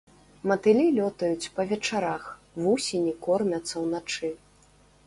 Матылі лётаюць па вечарах, вусені кормяцца ўначы.